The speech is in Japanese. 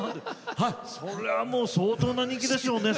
それはもう相当な人気でしょうね。